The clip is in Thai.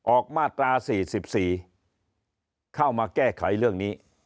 ออกมาตรา๔๔เข้ามาแก้ไขเรื่องนี้